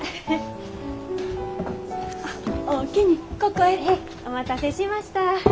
へえお待たせしました。